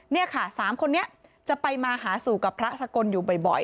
นี่ค่ะ๓คนนี้จะไปมาหาสู่กับพระสกลอยู่บ่อย